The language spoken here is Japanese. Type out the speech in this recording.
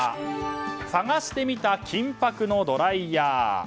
探してみた金箔のドライヤー。